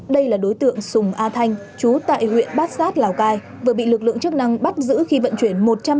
đây là đối tượng sùng a thanh chú tại huyện bát sát lào cai vừa bị lực lượng chức năng bắt giữ khi vận chuyển